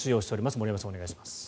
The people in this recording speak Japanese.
森山さん、お願いします。